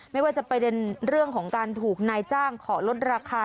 ไม่ว่าจะประเด็นเรื่องของการถูกนายจ้างขอลดราคา